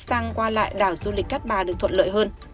sang qua lại đảo du lịch cát bà được thuận lợi hơn